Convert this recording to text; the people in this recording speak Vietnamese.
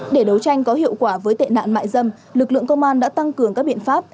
để đấu tranh có hiệu quả với tệ nạn mại dâm lực lượng công an đã tăng cường các biện pháp